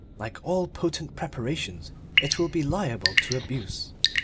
Like all potent preparations it will be liable to abuse.